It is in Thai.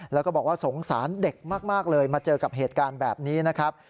แล้วก็บอกว่าสงสารเด็กมากเลยมาเจอกับเหตุการณ์แบบนี้นะครับ